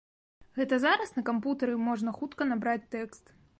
Гэта зараз на кампутары можна хутка набраць тэкст.